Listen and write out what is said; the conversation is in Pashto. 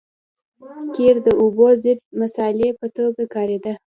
قیر د اوبو ضد مصالحې په توګه کارېده